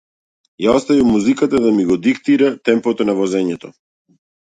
Ја оставив музиката да ми го диктира темпото на возењето.